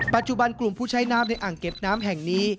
ปัจจุบันกลุ่มผู้ใช้น้ำในอ่างเก็บน้ำแห่งนี้